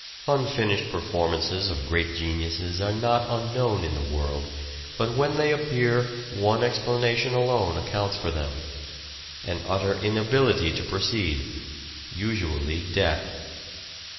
Unfinished performances of great geniuses are not 407 40& "SHAKESPEARE" IDENTIFIED unknown in the world, but when they appear one explanation alone accounts for them — an utter in ability to proceed : usually death.